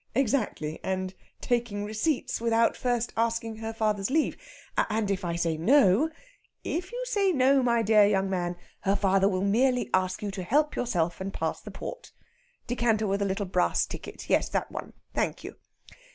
"Exactly and taking receipts, without first asking her father's leave. And if I say no " "If you say no, my dear young man, her father will merely ask you to help yourself and pass the port (decanter with the little brass ticket yes, that one. Thank you!).